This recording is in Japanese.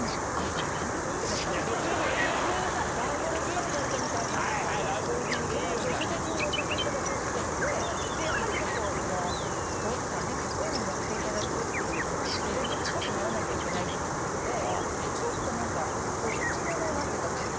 ランボルギーニだったみたいなんですけどその助手席に乗せていただくお仕事でやっぱりちょっとスポーツカーねカッコイイのに乗せていただくっていうことでセレブっぽくならなきゃいけないっていうことでちょっと何か。